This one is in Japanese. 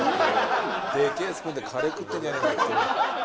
でけえスプーンでカレー食ってるんじゃねえかって。